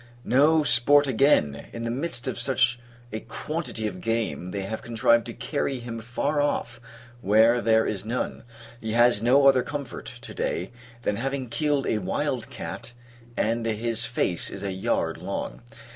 No sport, again! In the midst of such a quantity of game, they have contrived to carry him far off, where there is none. He has no other comfort, to day, than having killed a wild cat; and his face is a yard long.